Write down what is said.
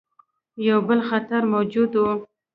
یو بل خطر موجود وو.